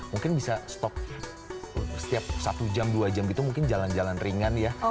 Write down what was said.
mungkin bisa stop setiap satu jam dua jam gitu mungkin jalan jalan ringan ya